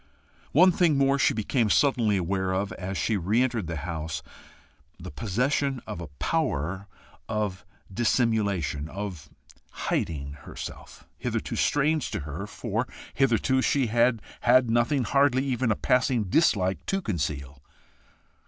One thing more she became suddenly aware of as she re entered the house the possession of a power of dissimulation, of hiding herself, hitherto strange to her, for hitherto she had had nothing, hardly even a passing dislike to conceal.